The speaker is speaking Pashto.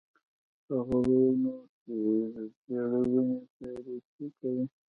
په غرونو کې د څېړو ونې پیرګي کوي